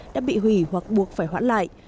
đã bị hủy hoặc buộc phải hoãn lại